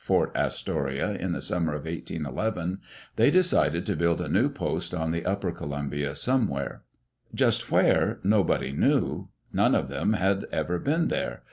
Fort Astoria, in the summer of 18 11, they decided to build a new post on the upper Columbia somewhere. Just where, nobody knew; none of them had ever been there.